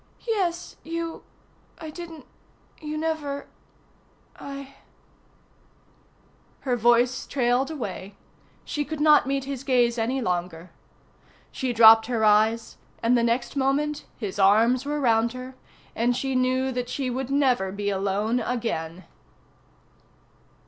"Yes, you I didn't you never I " Her voice trailed away; she could not meet his gaze any longer; she dropped her eyes, and the next moment his arms were round her, and she knew that she would never be alone again.